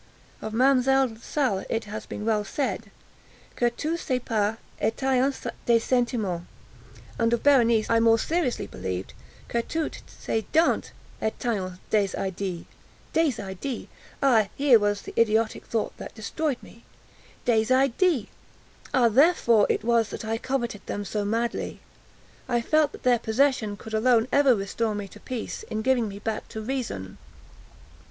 Of Mademoiselle Salle it has been well said, "Que tous ses pas etaient des sentiments," and of Berenice I more seriously believed que toutes ses dents etaient des idées. Des idées!—ah here was the idiotic thought that destroyed me! Des idées!—ah, therefore it was that I coveted them so madly! I felt that their possession could alone ever restore me to peace, in giving me back to reason.